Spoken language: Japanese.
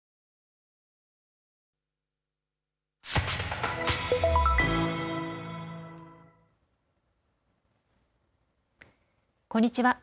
こんにちは。